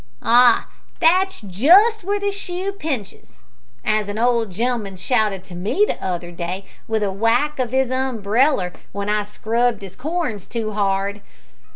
"Ah! `that's just w'ere the shoe pinches' as a old gen'leman shouted to me t'other day, with a whack of his umbreller, w'en I scrubbed 'is corns too hard.